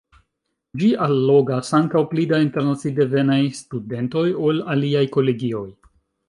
Ĝi allogas ankaŭ pli da internaci-devenaj studentoj ol aliaj kolegioj.